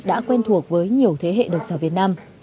đã quen thuộc với nhiều thế hệ độc giả việt nam